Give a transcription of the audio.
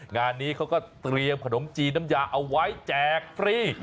งานนี้เขาก็เตรียมขนมจีนน้ำยาเอาไว้แจกฟรี